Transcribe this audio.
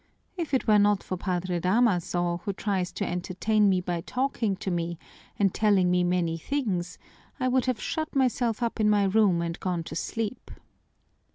If it were not for Padre Damaso, who tries to entertain me by talking to me and telling me many things, I would have shut myself up in my room and gone to sleep.